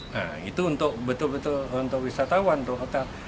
nah itu untuk betul betul untuk wisatawan untuk hotel